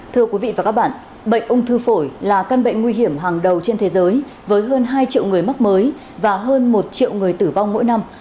thưa quý vị và các bạn bệnh ung thư phổi là căn bệnh nguy hiểm hàng đầu trên thế giới với hơn hai triệu người mắc mới và hơn một triệu người tử vong mỗi năm